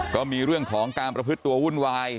ก็มีเรื่องของการประพฤติตัววุ่นวาย